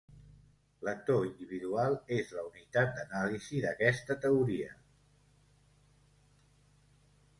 L'actor individual és la unitat d'anàlisi d'aquesta teoria.